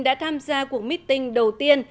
đã tham gia cuộc meeting đầu tiên